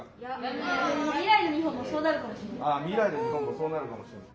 あ未来の日本もそうなるかもしれない。